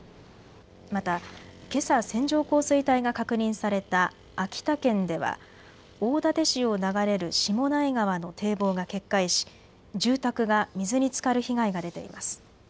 またけさ線状降水帯が確認された秋田県では大館市を流れる下内川の堤防が決壊し住宅が水につかる被害が出ています。